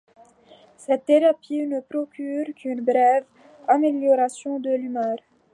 Cette thérapie ne procure qu’une brève amélioration de l’humeur.